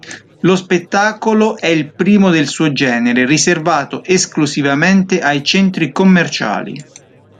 Lo spettacolo è il primo del suo genere riservato esclusivamente ai Centri Commerciali.